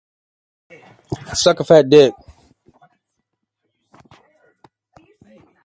Some twenty editions of it appeared in the sixteenth century.